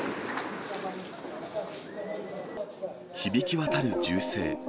響き渡る銃声。